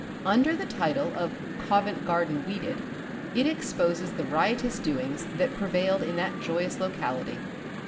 Under the title of 'Covent Garden Weeded,' it exposes the riotous doings that prevailed in that joyous locality.